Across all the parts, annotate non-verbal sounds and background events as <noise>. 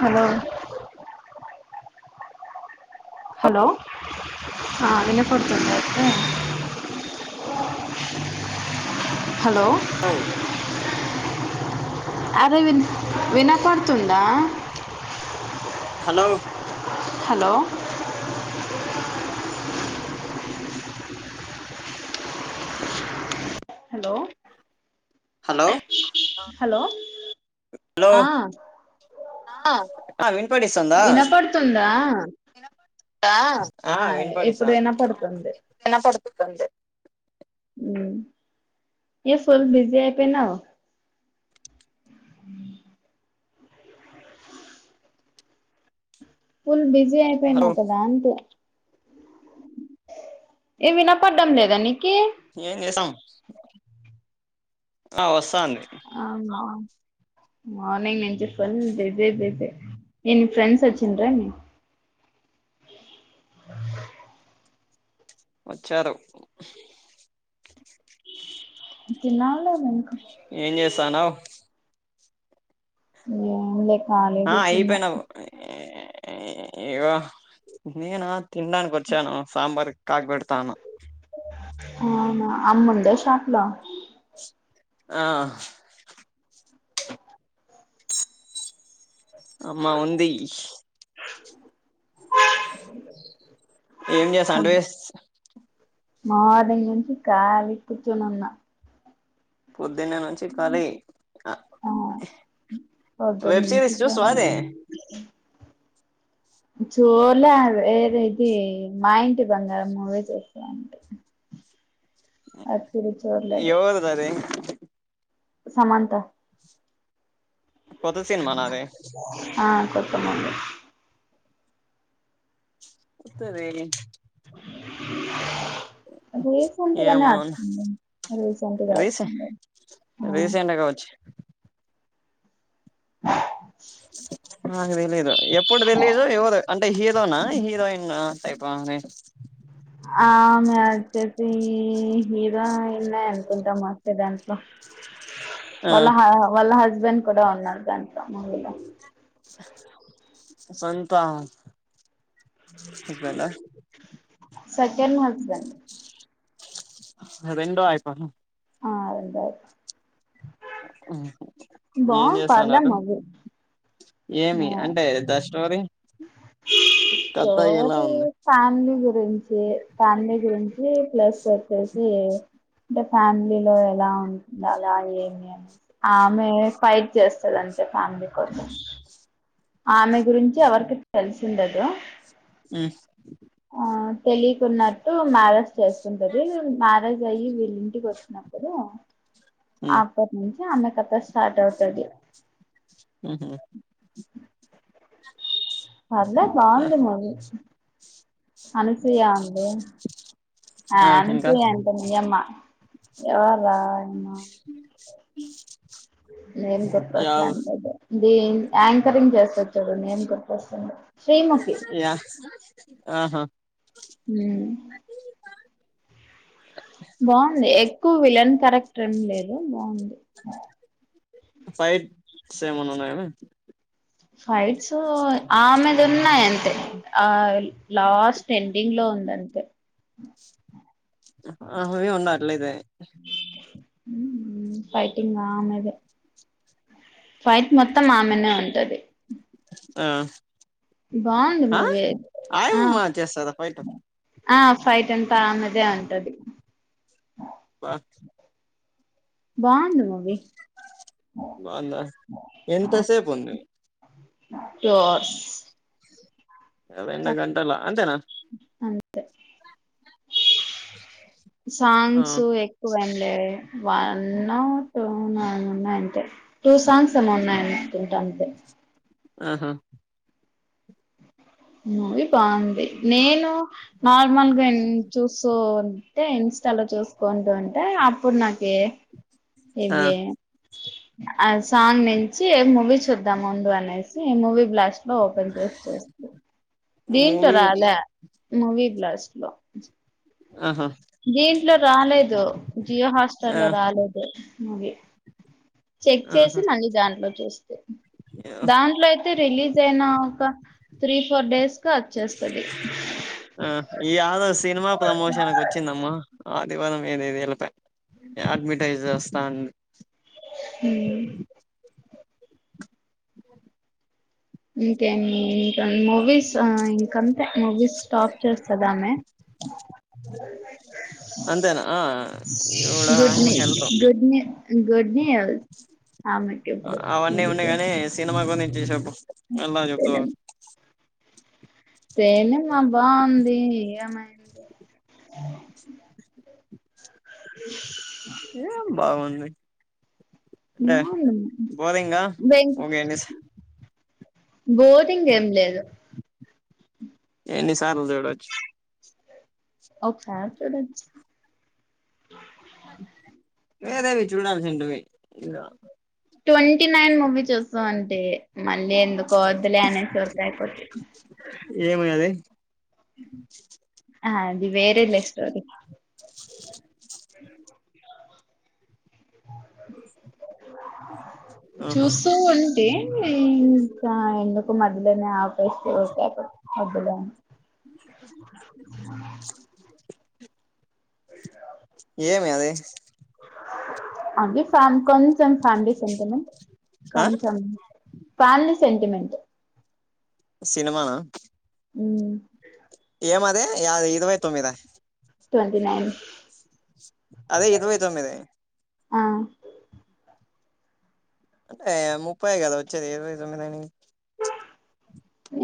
Hello hello వినప్పుడుతుందతే hello hello అరే విన్ వినపడుతుందా hello hello hello hello hello hello ఆ ఆ అక్క వినపడిస్తుందా వినపడుతుందా వినపడుతుంది రా ఆ ఇప్పుడు వినపడిస్తుంద ఆ వినపడుతుంది వినపడుతుంది ఎమ్ ఫుల్ బీజీ అయిపోయినవు ఫుల్ బిజీ హలో అయిపోయినావు కదా అంటి ఏ వినపడ్డం లేదా నీకి ఏం చేసాం ఆ వసంధి ఆ మ మార్నింగ్ నించి ఫుల్ బిజే బిజీ ఎమ్ ఫ్రెండ్స్ వచ్చిండరా ఏమి వచ్చారు తిన్నావా లేదా ఇంకా ఏం చేస్తానవు ఎమ్ లే ఖాళీ ఆ కూర్చున్నా అయిపోయినా ఏవో ఏమొ నేనా తినడానికి వచ్చాను సాంబార్ కాగాబెడతాను అవునా అమ్మ ఉందా షాప్ లో ఆ అమ్మా ఉంది అనాడిబుల్ ఎమ్ చేస్తవుఅంటే మార్నింగ్ నుంచి కాలి కూర్చునున్నా పొద్దున్నే నుంచి కాళీ ఆ వ వెబ్ సిరిస్ చూస్తావా ఆది అనాడిబుల్ చూలే ఏది ఇది మా ఇంటి బంగారం మూవీ చూస్తున అంతే అప్పుడు చూడలేదు సరే సమంత కొత్త సినిమానా అది ఆ కొట్టమను సరే ఏ ఫోన్ ఏమో కనీ మ ఏ ఫోన్గా రీసె మ రీసెంట్ గా కావచ్చు ఆహా అలా ఏంలేదు ఎప్పుడు తేలేదు ఇవా ంట హీరోనా హీరోయిన్ టైప్ ఆ ఆ మము వచ్చేసి హీరో ఉన్నాయి అనుకుంటాం వచ్చేదానికి ఆ వాళ్ళ వాళ్ళ హస్బెండ్ కూడా ఉన్నాడు దాంట్లో ముందుగా సొంతం సెకండ్ హస్బండ్ రెండో ఆయిపను ఆ రెండ ఐపా ఏం బావుంది పర్లే చేస్తున్నారు మది ఏమి అంటే ద స్టోరీ కథ ఎలా స్టోరీ ఉంది ఫామిలీ గురించి ఫ్యామిలీ గురించి ప్లస్ వచ్చేసి అంటే ఫ్యామిలీలో ఎలా ఉ అలా ఏమి అమెది ఆమె ఫైట్ చేస్తది అంతే ఫ్యామిలీ కోసం ఆమె గురించి ఎవరికి తెలిసిండదు ఉ ఆ తెలియకున్నట్టు మ్యారేజ్ చేసుకుంటది మ్యారేజ్ అయ్యి వీళ ఇంటికి వచ్చినప్పుడు అప్పటి నుంచి అమె కథ స్టార్ట్ అవుతది ఉహు పర్ల బాగుంది మరి అనుసూయ ఉంది ఆ అనుసూయ అంట మీయమ్మా ఎవరా ఆయమ్మ నేను కొత్త యా <unintelligible> దీన్ యాంకరింగ్ చేస్తడు చుడండి నేమ్ గుర్ప్పొస్తుంది యా ఆహా ఊ బాగుంది ఎక్కువ విలన్ కారెక్టర్ ఏం లేదు బాగుంది ఫైట్స్ ఏమన ఉన్నాయా మామ్ ఫైట్స్ ఆ మీద ఉన్నాయి అంతే ఆల్ లాస్ట్ ఎండింగ్ లో ఉందంతే ఆహ అవి ఉన్నా అట్లేద ఊ ఊ పైటిన్గ్ ఆమెద ఫైట్ మొత్తం ఆమెనే ఉంటది ఆ బాగుంది ఆ మూవీ ఆ ఆయమ్ చేస్తదా ఫైస్ట్ ఆ ఫైట్ ఎంతా ఆమెదే ఉంటది బ బాగుందును బాగుంద ఎంతసేపు ఉంది టోర్స్ మేడం ఎండు గంటలా అంతేనా అంతే ఆ సాంగ్సు ఎక్ టూవన్లే వన్ టూ న ఉన్నా అంతే టూ సాంగ్స్ ఏమో ఉన్నాయన తింటండు ఆహా మూవి బాగుంది నేను నార్మల్గా ఎన్ చూస్ సో అంటే ఇన్స్టాలో చూసుకుంటూ ఉంటే అప్పుడు నాక ఆ ఎవ్వె ఆ సాంగ్ నుంచి మూవీ చూద్దాం ముందు అనేసి ఈ మూవీ బ్లాస్ట్ నో ఓపెన్ చూస్తే దీంట్లో మూవీ రాలే మూవీ బ్లాస్ట్ లో ఆహా దీంట్లో రాలేదు జియో ఆ హాస్టర్ల్లో రాలేదు మూవి చెక్ చేసి ఆహా మళ్ళీ దాంట్లో చూస్తే దాంట్లో అయితే అయితే రిలీజ్ అయిన ఒక త్రీ ఫోర్ డేస్ క వచ్చేస్తది ఆ ఈ ఆడు సినిమా ప్రమోషన్కి వచ్చిందమ్మా ఆదివారం ఏనేది వె అడ్వటైజ్ చేస్తాం హ ఇంకేంమి ఇంకా మూవీస్ ఆ ఇంకంతే మూవీస్ స్టాప్ చేస్తుదా ఆమె అంతేనా ఆ ఇవిడ గుడ్ ఆయమ్మ నట్ health good new good news ఆమెకే మప్పుడు అవన్నీ ఉన్నాయి గాని సినిమా గురించి చెప్పు ఎలా చెప్తువ్ సినిమా బాగుంది ఏమై అ ఎం బాగుంది అంటే బాగుంది బోరింగా ఒకే ఎన్నిసా బోరింగ్ ఏం లేదు ఎన్ని సార్లు చూడొచ్చు ఒకసారి చూడొచ్చు వేరే వి చూనాసింట మీర ట్వంటీ నైన్ మూవీ చూస్తా అంటే మళ్ళీ ఎందుకు వద్దలే అనే చూతాయి ఏమయినది ఆ అది వేరెలె స్టోరీ ఆహా చూస్తూ ఉంటే ఇంకా ఎందుకు మధ్యలోనే ఆపేసి ఊరికే ఒకదా ఏమి అది అంతే ఫ్యా కొంచెం ఫ్యామిలీ సెంటిమెంట్ ఆ కొంచెం ఫ్యామిలీ సెంటిమెంట్ సినిమానా ఉ ఏమ అదే ఇరవై తొమ్మీద ట్వంటి నైన్ అదే ఇరవై తొమ్మిది ఆ అంటే ముప్పై కదా వచ్చేది ఇరవై తొమ్మిదాని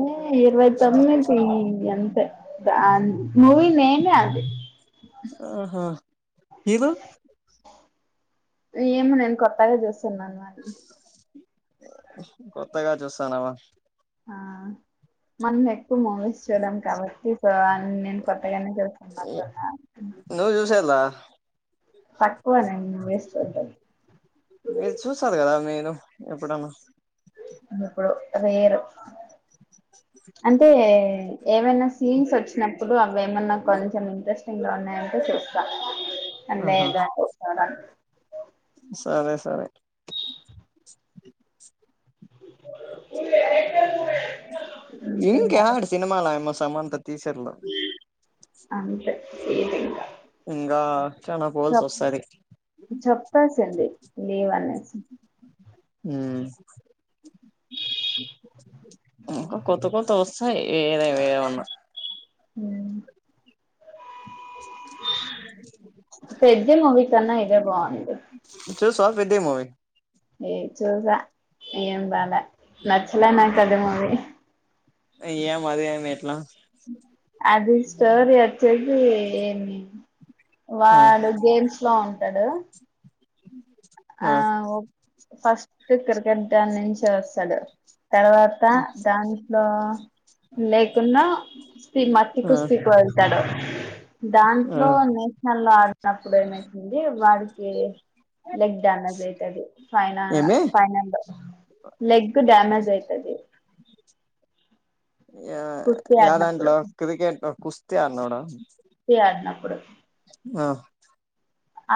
ఏ ఇరవై తొమ్మిది అంతే మూవీ నేమ్ అది ఆహా ఇవ ఏమో నేను కొత్తగా చూస్తున్నాను కొత్తగా చూస్తానవా ఆ మల్ల ఎక్కువ మూవీస్ చూడం కాబట్టి సో నేను కొత్తగానే చస్తుానుటు ఉన్నా నువ్ చూసే ఎలా పక్కువ నండి వేస్ట్ వంటంది మీరు చూసారు కదా మీరు ఎప్పుడన్నా ఇప్పుడు వేరు అంటే ఏమైనా సీన్స్ వచ్చినప్పుడు అవి ఏమన్నా కొంచ చాలా ఇంట్రెస్టింగ్ ఉన్నాయంటే అహ లేదా సరే సరే అంటున్నారు ఇంకెవరు అడ సినిమాలో అయమ్మ సమంత తీసర్లో అంట <inaudible> ఇంగా చానా పోల్స్ చెప్ వస్తాది చెప్పేసింది లీవ్ అనేసి మ్మ్ ఇంకా కొత్త కొత్త ఆస్ సరే ఏమైన <inaudible> మ్మ్ పెద్ది మూవీ కన్నా ఇదే బాగుంది చూసావా పెద్ది మూవీ ఏ చూలే ఏం బాలే నచ్చలే నాకది మూవీ ఇయ్యే మరి అదెట్లా మ్మ్ అది స్టోరి వచ్చొద్ది ఆ వాడు గేమ్స్ లో ఉంటడు ఆ ఫస్ట్ క్రికెట్ దాన్నుంచి వస్తాడు తర్వాత దాంట్లో లేకున్నా మట్టి ఆ కుస్తీకి వెళ్తాడు ఆ దాంట్లో నే మళ్ళా ఆడితప్పుడు ఏమైతుంది వాడికి లెగ్ డ్యామేజ్ అయితది పైన ఏమి పైన లెగ్ డ్యామేజ్ అయితది కుస్తీ యాదాంట్లో క్రికెట్ కుస్తీ ఆడినాడా ఈ ఆడినప్పుడు ఆ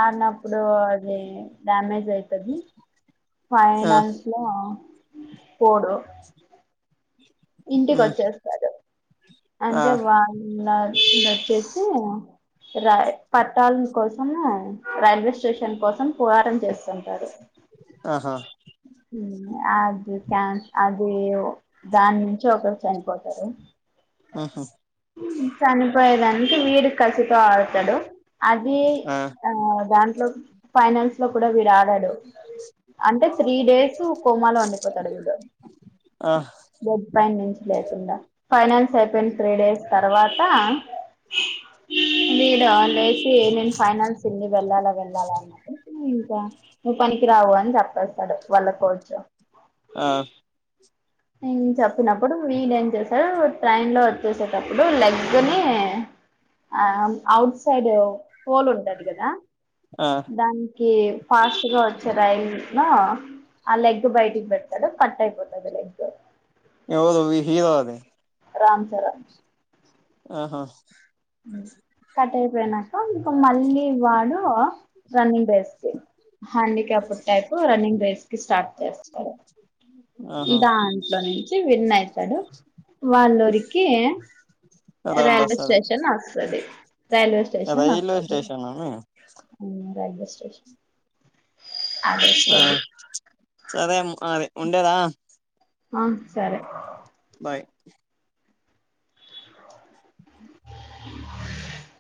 ఆడినప్పుడు అది డ్యామేజ్ అయితది ఆ ఫైనల్స్ లో పోడు అ ఇంటికి వచ్చేస్తాడు ఆ అంటే <inaudible> వచ్చేసి రై పట్టాల కోసం అని రైల్వే స్టేషన్ కోసం పోరాటం చేస్తాడు ఆహా మ్మ్ అది క్యా అది దాని నుంచి ఒకరు చనిపోతారు ఉహు చనిపోయినప్పుడు వీడు కసితో ఆడుతాడు అది ఆ దాంట్లో ఫైనల్స్ లో కూడా వీడు ఆడడు అంటే త్రీ డేస్ కోమాలో ఉండిపోతాడు వీడు ఆ బెడ్ పైనుంచి లేయకుండా ఫైనల్స్ అయిపోయిన త్రీ డేస్ తర్వాత వీడు రేపే నేను ఫైనాల్స్ ఉంది వెళ్ళాలా వెళ్ళాలా <inaudible> ఇంకా. నువ్ పనికి రావు అని చెప్పేస్తాడు వాళ్ళ కోచ్ ఆ నిజం చెప్పినప్పుడు వీడేం చేస్తాడు ట్రైన్ లో వచ్చేసేటప్పుడు లెగ్ని ఆ ఔట్ సైడూ హోల్ ఉంటది కదా ఆ దానికి ఫాస్ట్ గా వచ్చే రైల్ నూ ఆ లెగ్ బయటికి పెడతాడు కట్ అయిపోతది లెగ్ <unintelligible> రామ్ చర ఆహా.. కట్ అయిపోయినాక ఇకా మళ్ళీ వాడు రన్నింగ్ బెస్తే హ్యాండిక్యాప్ట్ టైపు రన్నింగ్ రేస్ కి స్టార్ట్ చేస్తారు. ఆహా దాంట్లో నుంచి విన్ అయితడు వాళ్ళురికి రోడ్డు రైల్వే వస్తది స్టేషన్ వస్తది రైల్వే స్టేషన్ రైల్వే వస్తది స్టేషన్ అని రైల్వే స్టేషన్. అదే ఆ స్టోరీ సరే అ ఉండేదా ఆ సరే. బాయ్.